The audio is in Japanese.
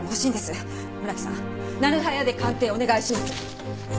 村木さんなる早で鑑定お願いします。